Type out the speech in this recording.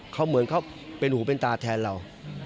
เขาเหมือนเขาเป็นหูเป็นตาแทนเรา